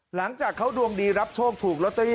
หลังจากเขาดวงดีรับโชคถูกลอตเตอรี่